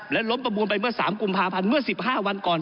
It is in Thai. และล้มประมูลไปเมื่อ๓กุมภาพันธ์เมื่อ๑๕วันก่อน